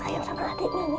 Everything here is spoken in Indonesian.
yang sayang sama adiknya